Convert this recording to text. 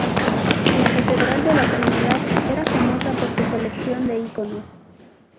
La Catedral de la Trinidad era famosa por su colección de iconos.